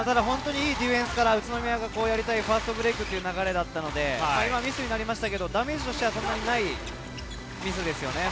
いいディフェンスから宇都宮がやりたいファストブレイクという流れだったのでミスになりましたが、ダメージとしてはそんなにないミスですよね。